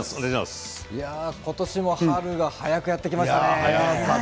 今年も春が早くやって来ましたね。